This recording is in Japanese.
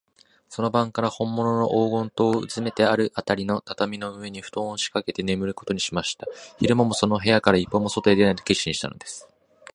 その晩から、ほんものの黄金塔のうずめてあるあたりの畳の上に、ふとんをしかせてねむることにしました。昼間も、その部屋から一歩も外へ出ない決心です。